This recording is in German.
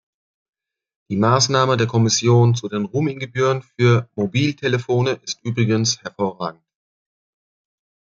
Die Maßnahme der Kommission zu den Roaming-Gebühren für Mobiltelefone ist übrigens hervorragend.